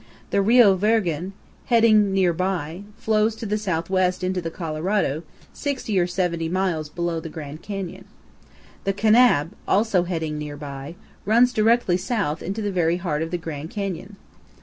The Rio Virgen, heading near by, flows to the southwest into the Colorado, 60 or 70 miles below the Grand Canyon. The Kanab, also heading near by, runs directly south into the very heart of the Grand Canyon.